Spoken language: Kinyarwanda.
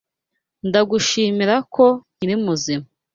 Ndagushimira ko nkiri muzima.